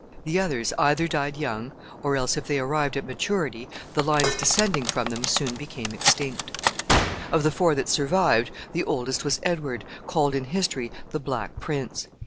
The others either died young, or else, if they arrived at maturity, the lines descending from them soon became extinct. [Footnote C: See page 35.] Of the four that survived, the oldest was Edward, called in history the Black Prince.